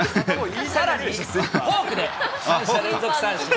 さらにフォークで３者連続三振。